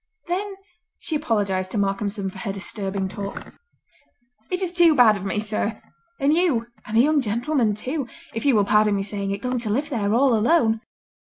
Then she apologised to Malcolmson for her disturbing talk. "It is too bad of me, sir, and you—and a young gentlemen, too—if you will pardon me saying it, going to live there all alone.